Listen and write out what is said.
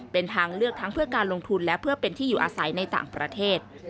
เป็นทางเลือกทั้งเพื่อการลงทุนและเพื่อเป็นที่อยู่อาศัยในต่างประเทศ